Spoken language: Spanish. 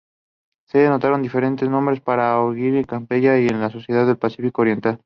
Se notaron diferentes nombres para Auriga y Capella en las sociedades del Pacífico Oriental.